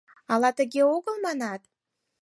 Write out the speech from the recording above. — Ала тыге огыл, манат?